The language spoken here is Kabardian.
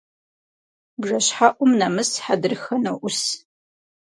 БжэщхьэӀум нэмыс хьэдрыхэ ноӀус.